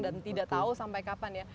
dan tidak tahu sampai kapan ya